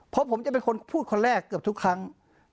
เพราะผมจะเป็นคนพูดคนแรกเกือบทุกครั้ง